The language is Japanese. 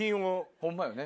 ホンマよね。